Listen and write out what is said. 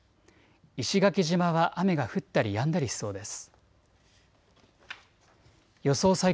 石垣島は雨が降ったりやんだりしそうです。